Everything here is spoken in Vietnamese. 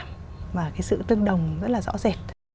những cái sự tương đồng rất là rõ rệt